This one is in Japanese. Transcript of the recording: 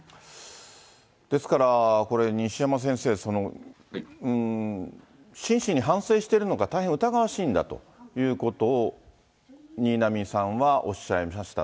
ですから、これ西山先生、真摯に反省しているのか、大変疑わしいんだということを新浪さんはおっしゃいました。